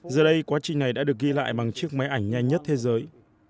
giờ đây quá trình này đã được ghi lại bằng chiếc máy ảnh nhanh nhất thế giới